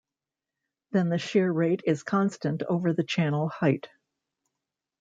Then the shear rate is constant over the channel height.